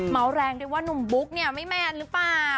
แรงด้วยว่าหนุ่มบุ๊กเนี่ยไม่แมนหรือเปล่า